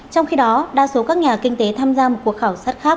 trong khi đó đa số các nhà kinh tế tham gia một cuộc khảo sát khác